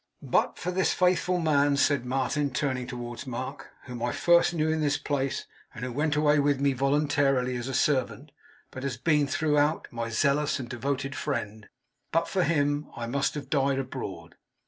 'But for this faithful man,' said Martin, turning towards Mark, 'whom I first knew in this place, and who went away with me voluntarily, as a servant, but has been, throughout, my zealous and devoted friend; but for him, I must have died abroad.